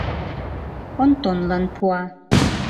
Онтонлан пуа.